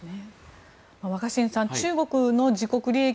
若新さん、中国の自国利益